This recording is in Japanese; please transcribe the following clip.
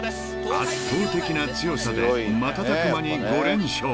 ［圧倒的な強さで瞬く間に５連勝］